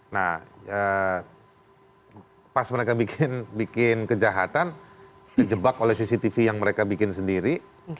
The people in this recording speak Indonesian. nah pas mereka bikin kejahatan dijebak oleh cctv yang mereka bikin sendiri